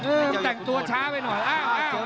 เออแต่งตัวช้าไปหน่อย